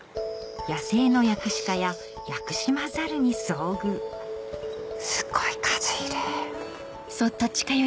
野生のヤクシカやヤクシマザルに遭遇すっごい数いる。